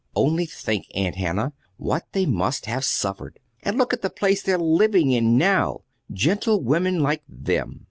Only think, Aunt Hannah, what they must have suffered! And look at the place they're living in now gentlewomen like them!"